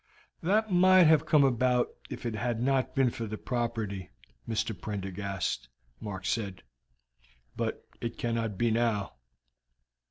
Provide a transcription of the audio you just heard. "That might have come about if it had not been for the property, Mr. Prendergast," Mark said, "but it cannot be now.